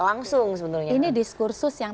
langsung ini diskursus yang